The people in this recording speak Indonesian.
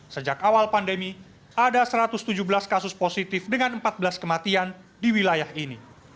sejak awal pandemi ada satu ratus tujuh belas kasus positif dengan empat belas kematian di wilayah ini